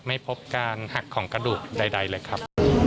ไม่พบการหักของกระดูกใดเลยครับ